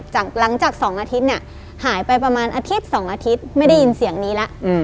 หลังจาก๒อาทิตย์เนี่ยหายไปประมาณอาทิตย์๒อาทิตย์ไม่ได้ยินเสียงนี้แล้ว